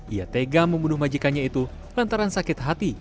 ia tega membunuh majikannya itu lantaran sakit hati